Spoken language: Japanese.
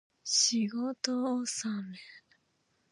仕事納め